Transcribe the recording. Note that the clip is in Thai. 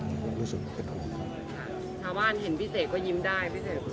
ข้าวบ้านเห็นพี่เสกก็ยิ้มได้